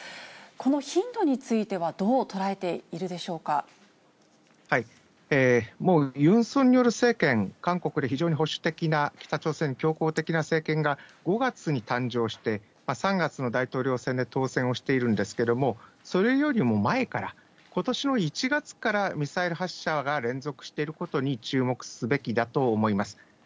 この頻度についてはどう捉えていもうユン・ソンニョル政権、韓国で非常に保守的な、北朝鮮に強硬的な政権が５月に誕生して、３月の大統領選で当選をしているんですけども、それよりも前から、ことしの１月からミサイル発射が連続していることに注目すべきだと思います。